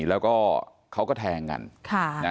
แล้วก็เขาก็แทงกัน